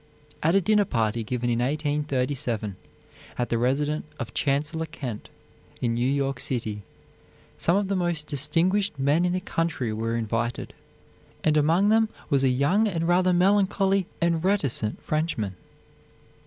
At a dinner party given in 1837, at the residence of Chancellor Kent, in New York City, some of the most distinguished men in the country were invited, and among them was a young and rather melancholy and reticent Frenchman.